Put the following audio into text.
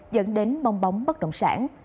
dẫn đến bong bóng bất động sản